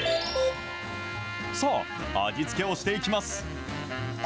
さあ、味付けをしていきます。